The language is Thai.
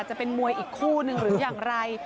จะเป็นมวยอีกคู่หนึ่งหรืออย่างไร